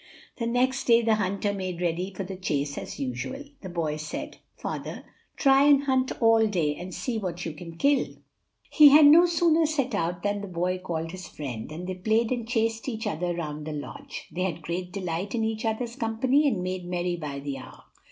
The next day the hunter made ready for the chase as usual. The boy said: "Father, try and hunt all day, and see what you can kill." He had no sooner set out than the boy called his friend, and they played and chased each other round the lodge. They had great delight in each other's company and made merry by the hour.